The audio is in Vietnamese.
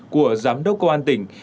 của giám đốc công an tỉnh